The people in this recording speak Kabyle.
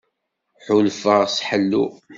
Ḥulfaɣ s ḥellu.